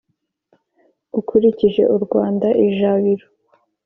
ukurije u rwanda ijabiro.